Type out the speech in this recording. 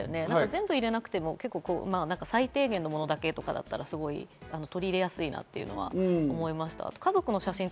全部入れなくても最低限のものだけだったりと、取り入れやすいなと思いました。